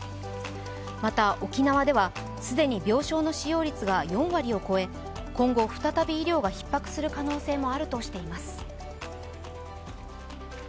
また、沖縄では既に病床の使用率が４割を超え今後再び医療がひっ迫する可能性もあるとしています。